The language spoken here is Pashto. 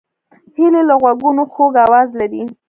هیلۍ له غوږونو خوږ آواز لري